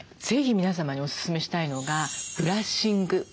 ぜひ皆様におすすめしたいのがブラッシング。